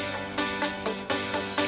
sampai jumpa lagi